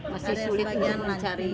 masih sulit untuk mencari